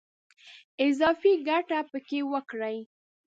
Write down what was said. اضافي ګټه په کې وکړي.